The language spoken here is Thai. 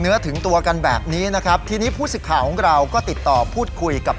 ถึงตัวกันแบบนี้นะครับทีนี้ผู้สิทธิ์ข่าวของเราก็ติดต่อพูดคุยกับ